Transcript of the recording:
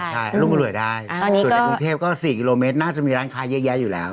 ใช่รุ่งอร่วยได้ส่วนในกรุงเทพก็๔กิโลเมตรน่าจะมีร้านค้าเยอะแยะอยู่แล้ว